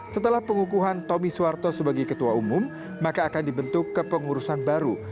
setelah pengukuhan tommy suwarto sebagai ketua umum maka akan dibentuk ke pengurusan baru